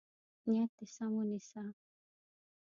نیت دې سم ونیسه.